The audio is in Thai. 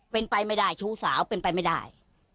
เป็นไปไม่ได้ชู้สาวเป็นไปไม่ได้